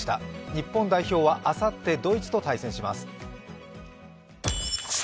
日本代表は、あさってドイツと対戦します。